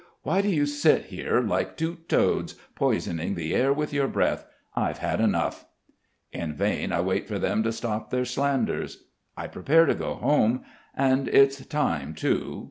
Why do you sit here like two toads, poisoning the air with your breath? I've had enough." In vain I wait for them to stop their slanders. I prepare to go home. And it's time, too.